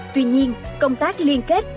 tuy nhiên công tác liên kết